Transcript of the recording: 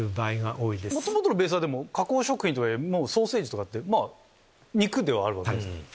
元々のベースは加工食品とはいえソーセージとかって肉ではあるわけじゃないですか。